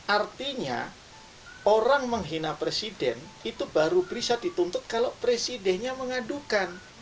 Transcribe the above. artinya orang menghina presiden itu baru bisa dituntut kalau presidennya mengadukan